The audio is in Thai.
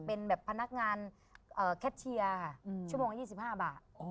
เป็นแบบพนักงานแคทเชียร์ค่ะชั่วโมงละ๒๕บาท